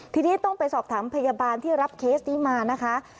ทีนี้ต้องไปสอบถามพยาบาลที่รับเคสนี้มานะคะ